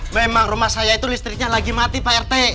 memang rumah saya itu listriknya lagi mati pak rt